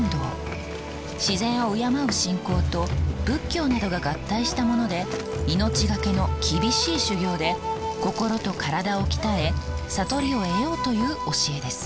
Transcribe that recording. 自然を敬う信仰と仏教などが合体したもので命懸けの厳しい修行で心と体を鍛え悟りを得ようという教えです。